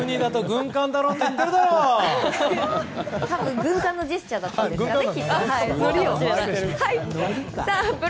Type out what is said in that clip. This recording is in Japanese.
軍艦のジェスチャーだったんですかね。